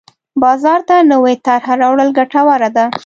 بازار ته نوې طرحه راوړل ګټوره ده.